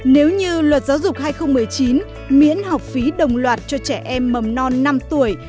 nếu như luật giáo dục hai nghìn một mươi chín miễn học phí đồng loạt cho trẻ em mầm non năm tuổi